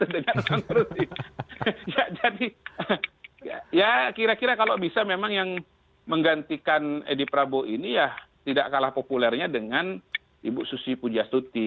jadi kira kira kalau bisa memang yang menggantikan edi prabowo ini tidak kalah populernya dengan ibu susi pujasuti